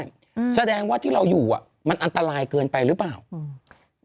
อืมแสดงว่าที่เราอยู่อ่ะมันอันตรายเกินไปหรือเปล่าอืม